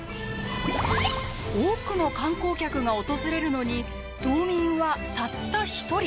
多くの観光客が訪れるのに島民はたった１人！